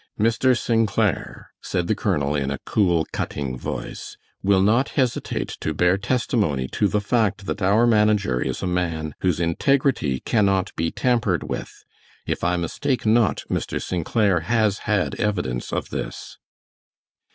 "Mr. St. Clair," said the colonel, in a cool, cutting voice, "will not hesitate to bear testimony to the fact that our manager is a man whose integrity cannot be tampered with. If I mistake not, Mr. St. Clair has had evidence of this."